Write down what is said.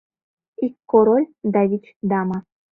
ИК КОРОЛЬ ДА ВИЧ ДАМА